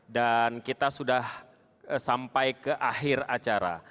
dan kita sudah sampai ke akhir acara